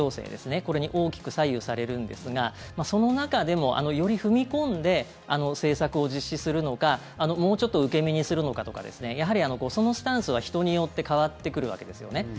これに大きく左右されるんですがその中でも、より踏み込んで政策を実施するのかもうちょっと受け身にするのかとかやはりそのスタンスは人によって変わってくるわけですよね。